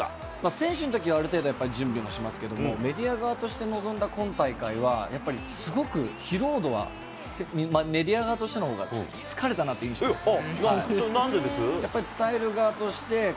選手のときは、ある程度、準備もしますけれども、メディア側として臨んだ今大会は、やっぱりすごく疲労度は、メディア側としてのほうが疲れたなという印象ですね。